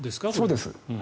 そうです。